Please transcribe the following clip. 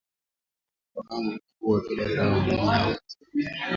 ufaham yakua kila zao lina wakati wake